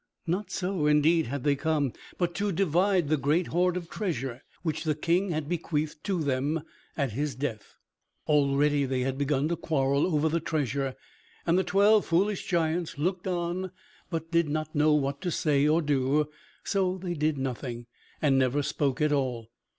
Not so indeed had they come, but to divide the great hoard of treasure which the King had bequeathed to them at his death. Already they had begun to quarrel over the treasure, and the twelve foolish giants looked on, but did not know what to say or do, so they did nothing, and never spoke at all.